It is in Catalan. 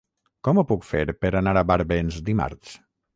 Com ho puc fer per anar a Barbens dimarts?